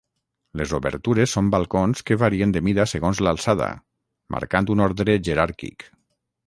Les obertures són balcons que varien de mida segons l'alçada, marcant un ordre jeràrquic.